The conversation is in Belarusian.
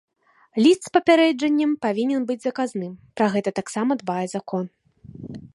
Ліст з папярэджаннем павінен быць заказным, пра гэта таксама дбае закон.